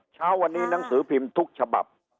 เช้าวันนี้หนังสือพิมพ์ทุกฉบับ